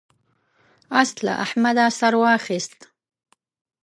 اس له احمده سر واخيست.